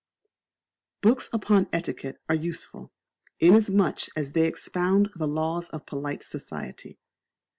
Books upon Etiquette are useful, inasmuch as they expound the laws of polite society.